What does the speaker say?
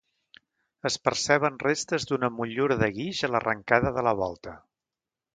Es perceben restes d'una motllura de guix a l'arrencada de la volta.